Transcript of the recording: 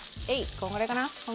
こんぐらいかな？